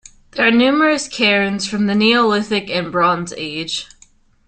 There are numerous cairns from the Neolithic and the Bronze Age.